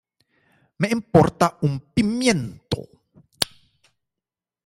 Me importa un pimiento